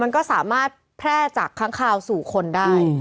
มันก็สามารถแพร่จากค้างคาวสู่คนได้